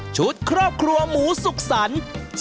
ครอบครัวหมูสุขสรรค์